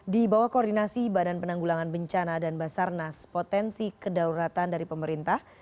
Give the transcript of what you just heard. di bawah koordinasi badan penanggulangan bencana dan basarnas potensi kedaulatan dari pemerintah